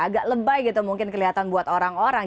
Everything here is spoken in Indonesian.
agak lebay gitu mungkin kelihatan buat orang orang